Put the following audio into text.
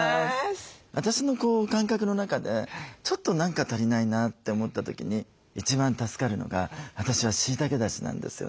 私の感覚の中でちょっと何か足りないなって思った時に一番助かるのが私はしいたけだしなんですよね。